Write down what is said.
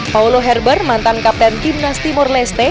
paulo herber mantan kapten timnas timur leste